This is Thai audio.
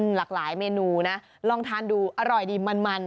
หลากหลายเมนูนะลองทานดูอร่อยดีมัน